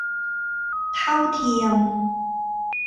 เท่าเทียม